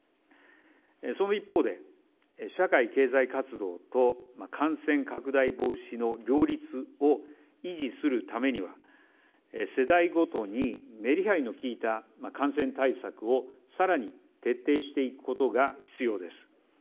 その一方で、社会経済活動と感染拡大防止の両立を維持するためには、世代ごとにめりはりのきいた感染対策を更に徹底していくことが必要です。